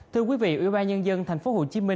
thưa quý vị ủy ban nhân dân tp hcm